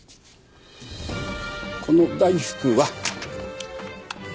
この大福は。